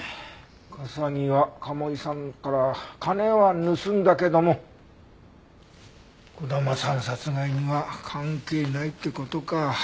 笠城は賀茂井さんから金は盗んだけども児玉さん殺害には関係ないって事か。